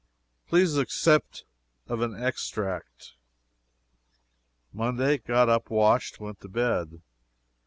Please accept of an extract: "Monday Got up, washed, went to bed.